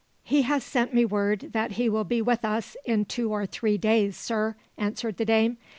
"He has sent me word that he will be with us in two or three days, sir," answered the dame.